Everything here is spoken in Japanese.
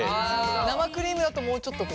生クリームだともうちょっとこう。